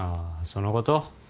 そのこと？